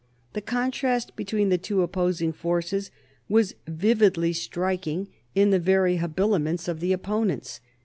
The contrast between the two opposing forces was vividly striking in the very habiliments of the opponents.